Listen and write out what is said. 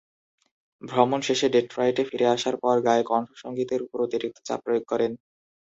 ভ্রমণ শেষে ডেট্রয়েটে ফিরে আসার পর গায়ে কণ্ঠসংগীতের উপর অতিরিক্ত চাপ প্রয়োগ করেন।